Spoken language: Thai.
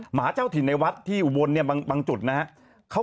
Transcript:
หมาเจ้าถิ่นในวัดที่อุบลเนี่ยบางจุดนะครับ